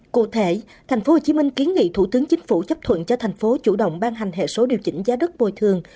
cụ thể thành phố hồ chí minh kiến nghị thủ tướng chính phủ chấp thuận cho thành phố chủ động ban hành hệ số điều chỉnh giá đất bồi thường